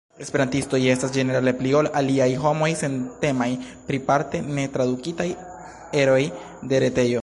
Esperantistoj estas ĝenerale pli ol aliaj homoj sentemaj pri parte netradukitaj eroj de retejo.